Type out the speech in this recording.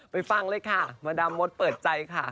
ฟังเลยค่ะมาดามมดเปิดใจค่ะ